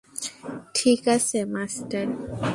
ঠিক আছে, মাস্টার।